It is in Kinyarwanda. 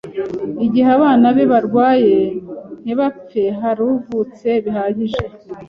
Igihe abana be barwaye ntibapfe haravutse bihagije